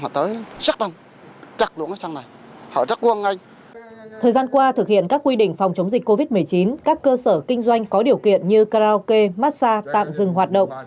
thời gian qua thực hiện các quy định phòng chống dịch covid một mươi chín các cơ sở kinh doanh có điều kiện như karaoke massage tạm dừng hoạt động